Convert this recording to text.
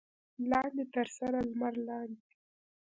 لاندې تر سره لمر لاندې.